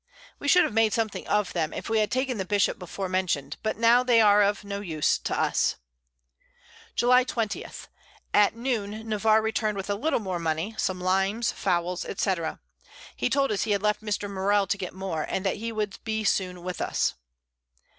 We should have made something of them, if we had taken the Bishop before mentioned; but now they are of no use to us. July 20. At Noon Navarre return'd with a little more Money, some Limes, Fowls, &c. He told us he had left Mr. Morell to get more, and that he would be soon with us.